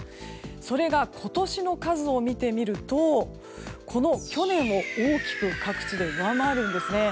それが今年の数を見てみると去年を大きく各地で上回るんですね。